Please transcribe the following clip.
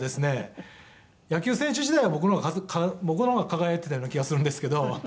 「野球選手時代は僕の方が僕の方が輝いてたような気がするんですけど」